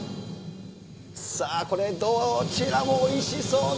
さあ、これはどちらもおいしそうだ。